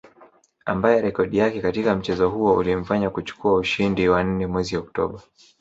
Ambaye rekodi yake katika mchezo huo ulimfanya kuchukua ushindi wa nne mwezi Oktoba